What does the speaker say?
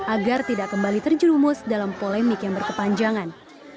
agar tidak kembali terjerumus dalam polemik yang berkepanjangan